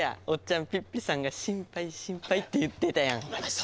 おっちゃんピッピさんが心配心配って言ってたやん。